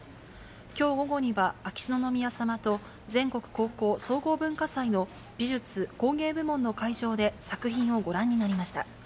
きょう午後には、秋篠宮さまと、全国高校総合文化祭の美術・工芸部門の会場で作品をご覧になりました。